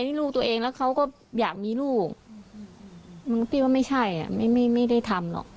ลูกตัวเองแล้วเขาก็อยากมีลูกมึงพี่ว่าไม่ใช่อ่ะไม่ไม่ได้ทำหรอก